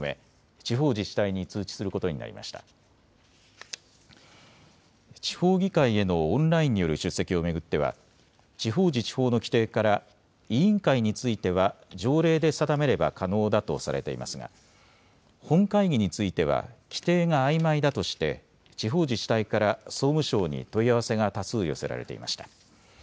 地方議会へのオンラインによる出席を巡っては地方自治法の規定から委員会については条例で定めれば可能だとされていますが本会議については規定があいまいだとして地方自治体から総務省に問い合わせが多数寄せられていました。